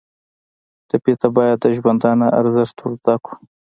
ټپي ته باید د ژوندانه ارزښت ور زده کړو.